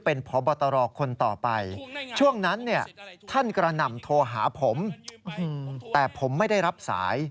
เป็นพบตรคนต่อไปช่วงนั้นเนี่ยท่านกระหน่ำโทรหาผมแต่ผมไม่ได้รับสาย